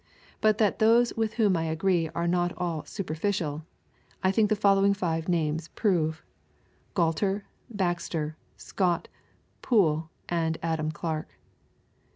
But that those with whom I agree are not all "superficial," I think the following five names prove, — Gualter, Baxter, Scott, Poole, and Adam Clarke.